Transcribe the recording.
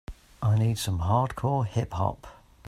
I need some Hardcore Hip Hop